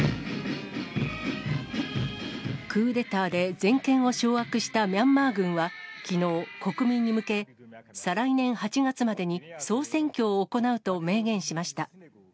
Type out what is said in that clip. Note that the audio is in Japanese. クーデターで全権を掌握したミャンマー軍はきのう、国民に向け、再来年８月までに総選挙を行うと明言しました。